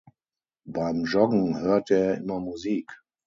Beim Joggen hörte er immer Musik.